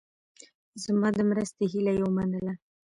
زما د مرستې هیله یې ومنله.